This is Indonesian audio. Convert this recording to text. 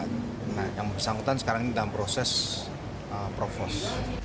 nah yang bersangkutan sekarang ini dalam proses provos